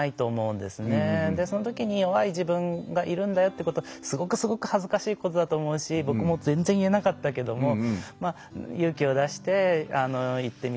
そのときに弱い自分がいるんだよってことをすごくすごく恥ずかしいことだと思うし僕も全然言えなかったけども勇気を出して言ってみてほしいなと思います。